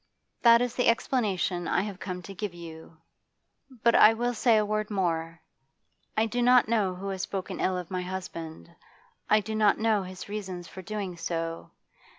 That is the explanation I have come to give you. But I will say a word more. I do not know who has spoken ill of my husband; I do not know his reasons for doing so.